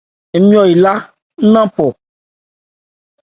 Nmɔyo elá nná npɔ.